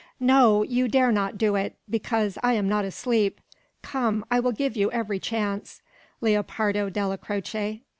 "No. You dare not do it, because I am not asleep. Come, I will give you every chance, Lepardo Della Croce.